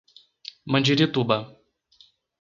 Mandirituba